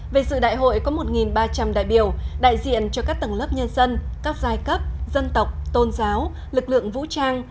về sự đại hội có một ba trăm linh đại biểu đại diện cho các tầng lớp nhân dân các giai cấp dân tộc tôn giáo lực lượng vũ trang